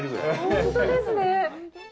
本当ですね。